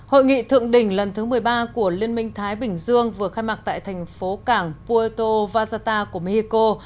hội nghị thượng đỉnh lần thứ một mươi ba của liên minh thái bình dương vừa khai mạc tại thành phố cảng puato vasata của mexico